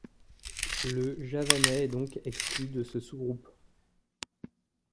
Le javanais est donc exclu de ce sous-groupe.